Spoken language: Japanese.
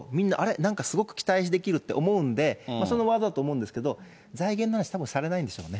なんかすごく期待できるって思うんで、そのワードだと思うんですけど、財源の話、たぶんされないんでしょうね。